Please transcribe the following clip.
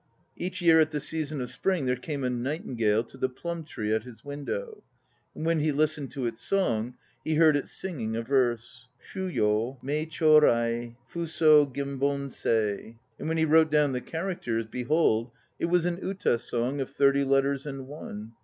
1 Each year at the season of Spring There came a nightingale To the plum tree at his window. And when he listened to its song He heard it singing a verse: "Sho yo mei cho rai Fu so gem bon set." And when he wrote down the characters, Behold, it was an "uta" song Of thirty letters and one.